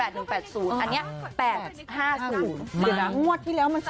เดี๋ยวนะงวดที่แล้วมัน